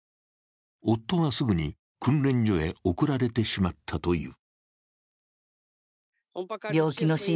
夫はすぐに訓練所へ送られてしまったという。